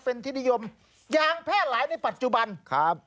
เป็นที่นิยมยางแพร่หลายในปัจจุบันครับ